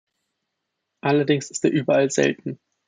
Allerdings ist er überall selten.